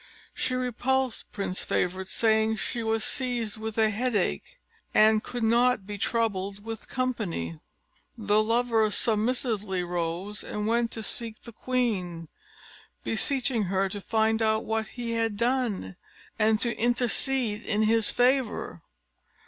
She repulsed Prince Favourite, saying she was seized with a headache, and could not be troubled with company. The lover submissively arose and went to seek the queen, beseeching her to find out what he had done, and to intercede in his favour.